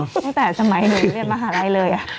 ตั้งแต่สมัยหนูเรียนมหาลัยเลย